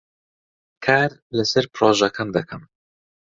کار لەسەر پرۆژەکەم دەکەم.